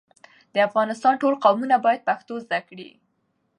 د افغانستان ټول قومونه بايد پښتو زده کړي.